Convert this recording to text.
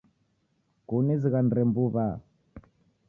Kunizighanire mbuw'a